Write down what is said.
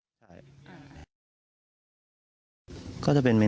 อยู่ดีมาตายแบบเปลือยคาห้องน้ำได้ยังไง